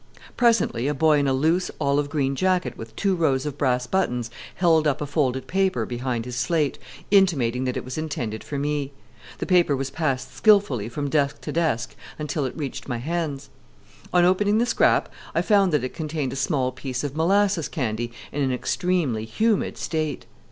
Presently a boy in a loose olive green jacket with two rows of brass buttons held up a folded paper behind his slate, intimating that it was intended for me. The paper was passed skillfully from desk to desk until it reached my hands. On opening the scrap, I found that it contained a small piece of molasses candy in an extremely humid state.